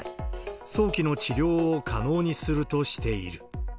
早期の治療を可能にするとしている。